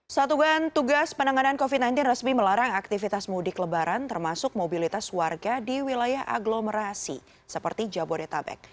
satuan tugas penanganan covid sembilan belas resmi melarang aktivitas mudik lebaran termasuk mobilitas warga di wilayah aglomerasi seperti jabodetabek